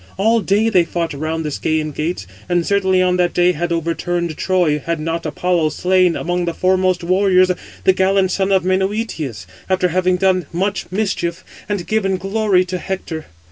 All day they fought round the Scæan gates, and certainly on that day had overturned Troy, had not Apollo slain, among the foremost warriors, the gallant son of Menœtius, after having done much mischief, and given glory to Hector.